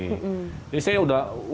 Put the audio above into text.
jadi saya udah lakukan itu